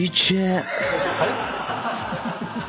はい？